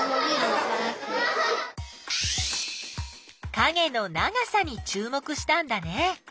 かげの長さにちゅう目したんだね。